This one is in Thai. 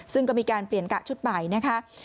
ซึ่งก็มีการเปลี่ยนกะชุดใหม่นะคะ